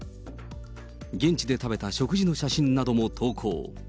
現地で食べた食事の写真なども投稿。